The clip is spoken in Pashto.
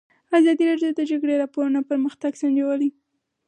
ازادي راډیو د د جګړې راپورونه پرمختګ سنجولی.